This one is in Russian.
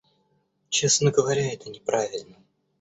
Честно говоря, это неправильно.